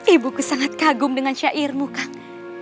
ibuku sangat kagum dengan syairmu kang